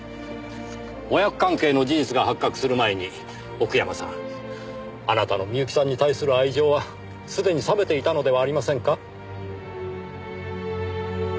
親子関係の事実が発覚する前に奥山さんあなたの深雪さんに対する愛情はすでに冷めていたのではありませんか？